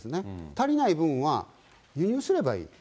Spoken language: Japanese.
足りない分は輸入すればいい。